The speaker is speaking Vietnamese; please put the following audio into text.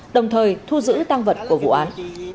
đồng thời thu giữ tăng vật của vụ án